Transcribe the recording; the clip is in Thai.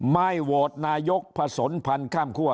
โหวตนายกผสมพันธ์ข้ามคั่ว